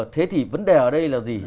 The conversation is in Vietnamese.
thế thì vấn đề ở đây là gì